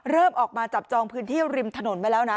ออกมาจับจองพื้นที่ริมถนนไปแล้วนะ